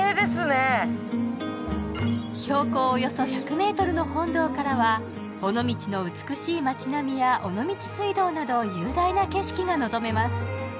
標高およそ１００ｍの本堂からは尾道の美しい街並みや尾道水道など雄大な景色が望めます。